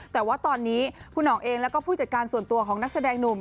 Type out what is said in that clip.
แต่ว่าตอนนี้คุณห่องเองแล้วก็ผู้จัดการส่วนตัวของนักแสดงหนุ่ม